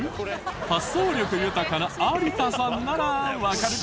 発想力豊かな有田さんならわかるかな？